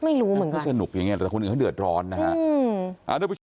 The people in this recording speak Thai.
ไม่รู้เหมือนกันนั่นก็สนุกอย่างนี้แต่คนอื่นก็เหนือดร้อนนะฮะ